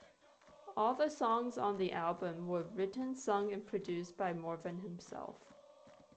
All the songs on the album were written, sung and produced by Morvan himself.